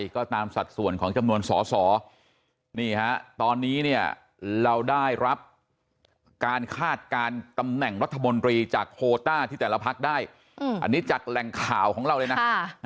ก็ตามสัดส่วนของจำนวนสอสอนี่ฮะตอนนี้เนี่ยเราได้รับการคาดการณ์ตำแหน่งรัฐมนตรีจากโคต้าที่แต่ละพักได้อันนี้จากแหล่งข่าวของเราเลยนะ